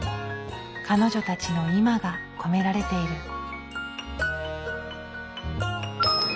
彼女たちの今が込められている。